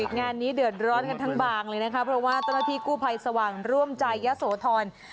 งานนี้เดือดร้อนกันทั้งบางเลยนะครับเพราะว่าตพกู้ภัยสว่างร่วมใจยะสวทร